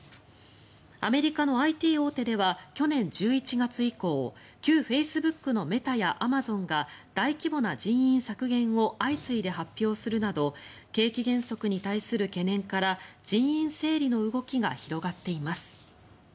アメリカのＩＴ大手では去年１１月以降旧フェイスブックのメタやアマゾンが大規模な人員削減を相次いで発表するなど景気減速に対する懸念から人員整理の動きが広がっています。